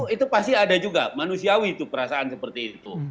itu pasti ada juga manusiawi itu perasaan seperti itu